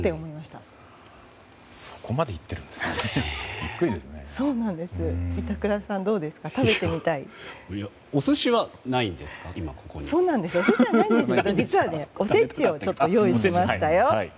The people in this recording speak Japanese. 今ここには。お寿司はないんですが実は、おせちを用意しましたよ。